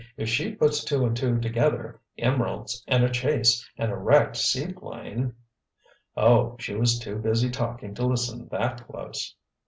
"If she puts two and two together, emeralds and a chase and a wrecked seaplane——" "Oh, she was too busy talking to listen that close."